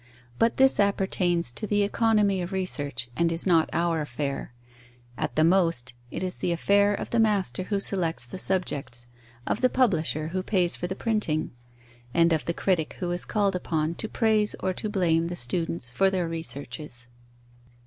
But this appertains to the economy of research, and is not our affair. At the most, it is the affair of the master who selects the subjects, of the publisher who pays for the printing, and of the critic who is called upon to praise or to blame the students for their researches.